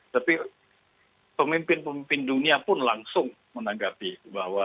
tapi pemimpin pemimpin dunia pun langsung menanggapi bahwa